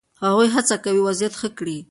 هغوی هڅه کوي وضعیت ښه کړي.